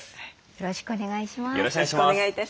よろしくお願いします。